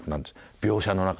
描写の中で。